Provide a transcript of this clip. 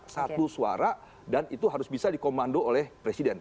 satu suara dan itu harus bisa dikomando oleh presiden